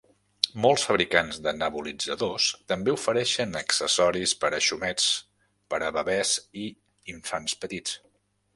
Molts fabricants de nebulitzadors també ofereixen accessoris per a xumets per a bebès i infants petits.